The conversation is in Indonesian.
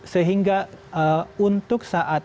sehingga untuk saat